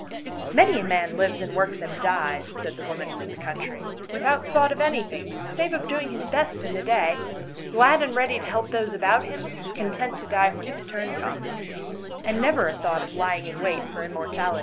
" Many a man lives and works and dies," said the woman from the country, " without thought of any thing save of doing his best in his day, glad and ready to help those about him, content to die when his turn comes, and never a thought of lying in wait for immortality."